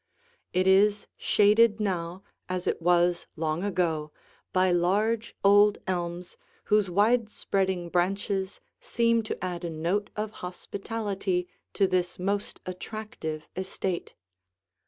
It is shaded now as it was long ago by large, old elms whose widespreading branches seem to add a note of hospitality to this most attractive estate.